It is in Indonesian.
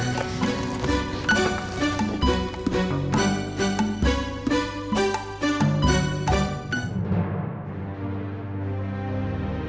ya udah bagus